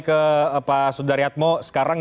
ke pak sudaryatmo sekarang